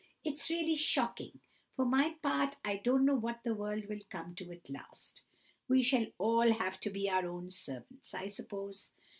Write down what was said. It's really shocking. For my part, I don't know what the world will come to at last. We shall all have to be our own servants, I suppose.